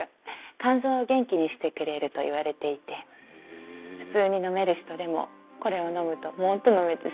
肝臓を元気にしてくれるといわれていて普通に飲める人でもこれを飲むともっと飲めてしまうと。